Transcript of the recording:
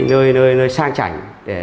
đến những nơi sang chảnh